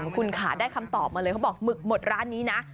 คุณค่ะได้คำตอบมาเลยเขาบอกหมึกหมดร้านนี้นะ